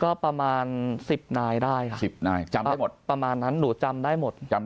ก็ประมาณสิบนายได้ครับประมาณนั้นหนูจำได้หมด